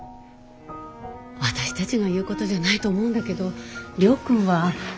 私たちが言うことじゃないと思うんだけど亮君は。